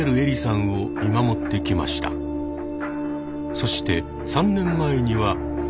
そして３年前には。